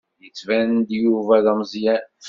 Yettban-d Yuba d ameẓẓyan.